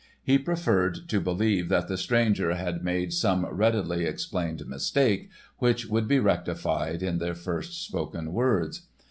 He preferred to believe that the stranger had made some readily explained mistake which would be rectified in their first spoken words.